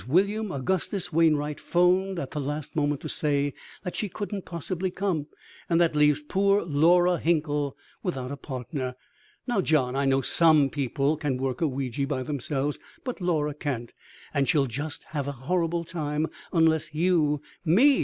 William Augustus Wainright 'phoned at the last moment to say that she couldn't possibly come, and that leaves poor Laura Hinkle without a partner. Now, John, I know some people can work a Ouija by themselves, but Laura can't, and she'll just have a horrible time unless you " "Me!"